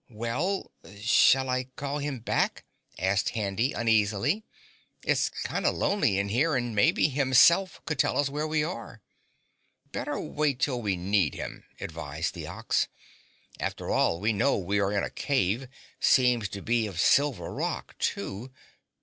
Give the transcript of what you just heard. "Well, shall I call him back?" asked Handy uneasily. "It's kinda lonely in here and maybe Himself could tell us where we are." "Better wait till we need him," advised the Ox. "After all, we know we are in a cave, seems to be of silver rock, too.